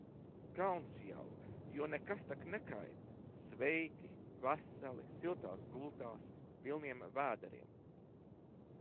Kauns jau, jo nekas tak nekait – sveiki, veseli, siltās gultās, pilniem vēderiem.